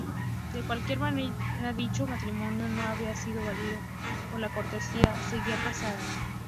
De cualquier manera, dicho matrimonio no habría sido válido porque la cortesana seguía casada.